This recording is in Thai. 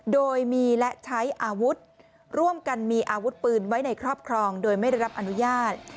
โดยมีและใช้อาวุธร่วมกันมีอาวุธปืนไว้ในครอบครองโดยไม่ได้รับอนุญาต